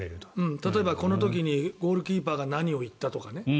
例えばこの時にゴールキーパーが何を言ったとかね。